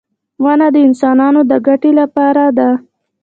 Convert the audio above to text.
• ونه د انسانانو د ګټې لپاره ده.